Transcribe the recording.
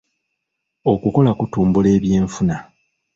Okukola kutumbula ebyenfuna.